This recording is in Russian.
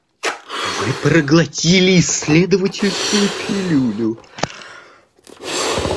Вы проглотили исследовательскую пилюлю.